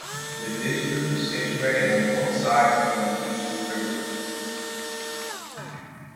The district is situated on both sides of the Lech river.